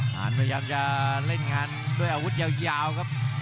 นานพยายามจะเล่นงานด้วยอาวุธยาวครับ